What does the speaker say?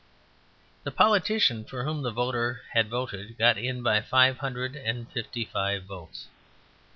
The politician for whom the voter had voted got in by five hundred and fifty five votes.